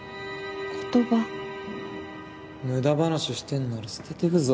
無駄話してんなら捨ててくぞ。